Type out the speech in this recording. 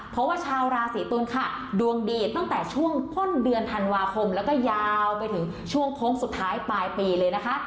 เพราะว่าชาวราศีตุลค่ะดวงดีตั้งแต่ช่วงต้นเดือนธันวาคมแล้วก็ยาวไปถึงช่วงโค้งสุดท้ายปลายปีเลยนะคะ